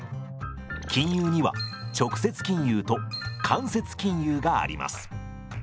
金融には直接金融と間接金融があります。